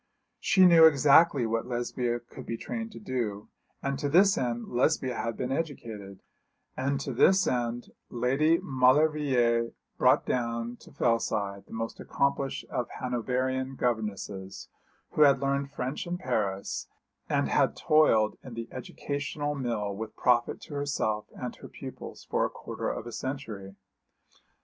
She knew exactly what Lesbia could be trained to do; and to this end Lesbia had been educated; and to this end Lady Maulevrier brought down to Fellside the most accomplished of Hanoverian governesses, who had learned French in Paris, and had toiled in the educational mill with profit to herself and her pupils for a quarter of a century.